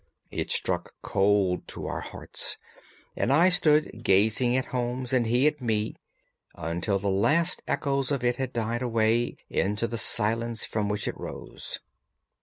It struck cold to our hearts, and I stood gazing at Holmes, and he at me, until the last echoes of it had died away into the silence from which it rose.